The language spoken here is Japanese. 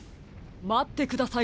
まってください